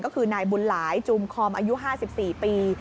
ก็คือนายบุญหลายจูมคอมอายุ๕๔ปี